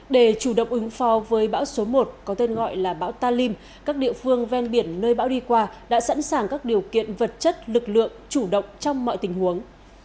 để chủ động ứng phó với bão số một có tên gọi là bão talim các địa phương ven biển nơi bão đi qua đã sẵn sàng các điều kiện vật chất lực lượng chủ động trong mọi tình huống